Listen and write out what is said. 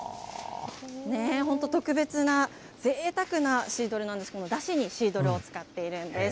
本当、特別な、ぜいたくなシードルなんです、だしにシードルを使っているんです。